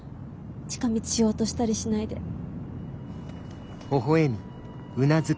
近道しようとしたりしないで。